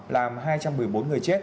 làm hai trăm một mươi bốn người chết